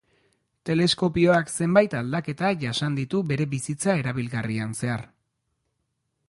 Teleskopioak zenbait aldaketa jasan ditu bere bizitza erabilgarrian zehar.